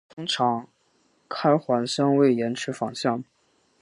通常开环相位延迟反相。